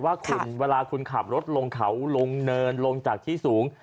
ว่าคุณเวลาคุณขับรถลงเขาลงเนินลงจากที่สูง